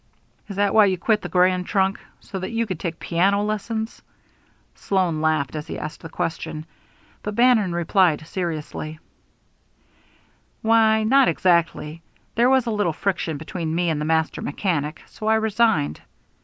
"Is that why you quit the Grand Trunk? So that you could take piano lessons?" Sloan laughed as he asked the question, but Bannon replied seriously: "Why, not exactly. There was a little friction between me and the master mechanic, so I resigned.